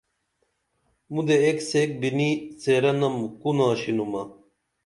مدے ایک سیک بِنی څیرہ نم کُو ناشِنُمہ